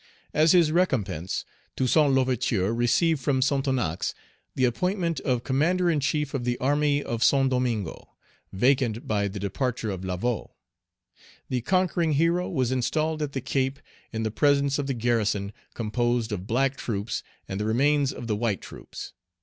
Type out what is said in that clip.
As his recompense, Toussaint L'Ouverture received from Sonthonax the appointment of commander in chief of the army of Saint Domingo, vacant by the departure of Laveaux. The conquering hero was installed at the Cape, in the presence of the garrison, composed of black troops, and the remains of the white troops.